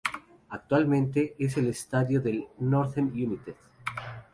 Actualmente, es el estadio del Northern United.